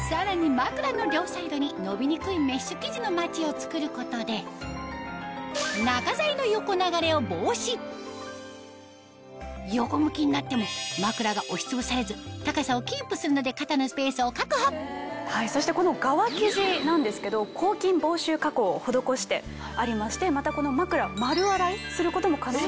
枕の両サイドにのびにくいメッシュ生地のマチを作ることで横向きになっても枕が押しつぶされず高さをキープするので肩のスペースを確保そしてこの側生地なんですけど抗菌防臭加工を施してありましてまたこの枕丸洗いすることも可能なので。